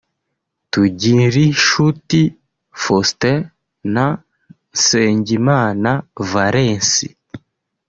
Tugirinshuti Faustin na Nsengimana Valensi